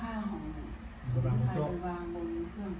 อันนี้ก็ไม่มีเจ้าพ่อหรอก